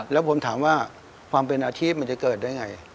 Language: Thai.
แล้วผมถามว่าความเป็นอาชีพมันจะเกิดได้ไง